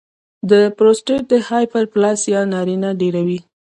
د پروسټیټ هایپرپلاسیا نارینه ډېروي.